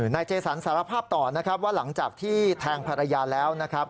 นายเจสันสารภาพต่อนะครับว่าหลังจากที่แทงภรรยาแล้วนะครับ